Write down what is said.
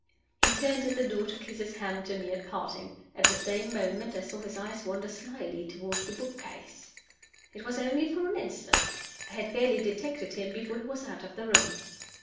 He turned at the door to kiss his hand to me at parting. At the same moment I saw his eyes wander slyly toward the book case. It was only for an instant. I had barely detected him before he was out of the room.